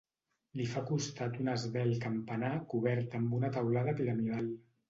Li fa costat un esvelt campanar cobert amb una teulada piramidal.